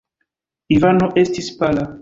Ivano estis pala.